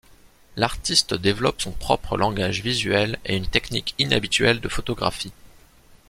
L'artiste développe son propre langage visuel et une technique inhabituelle de photographie.